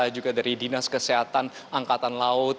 juga dari dinas kesehatan angkatan laut